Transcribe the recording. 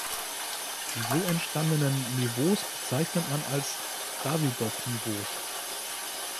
Die so entstandenen Niveaus bezeichnet mal als Davydov-Niveaus.